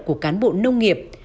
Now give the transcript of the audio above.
của cán bộ nông nghiệp